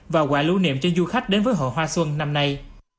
và quả lưu niệm cho du khách đến với hội hoa xuân năm nay